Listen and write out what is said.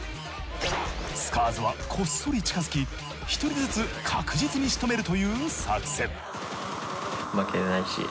ＳＣＡＲＺはこっそり近づき１人ずつ確実に仕留めるという作戦。